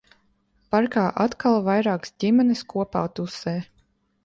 Parkā atkal vairākas ģimenes kopā tusē.